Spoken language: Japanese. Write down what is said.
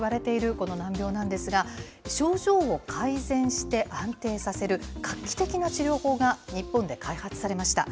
この難病なんですが、症状を改善して、安定させる画期的な治療法が日本で開発されました。